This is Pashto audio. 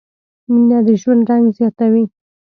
مینه د ژوند رنګ زیاتوي.